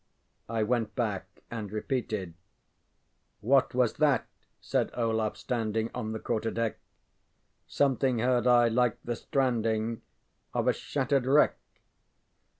ŌĆØ I went back and repeated: ŌĆ£ŌĆśWhat was that? ŌĆÖ said Olaf, standing On the quarter deck, ŌĆśSomething heard I like the stranding Of a shattered wreck.